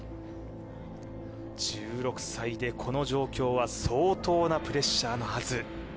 １６歳でこの状況は相当なプレッシャーのはず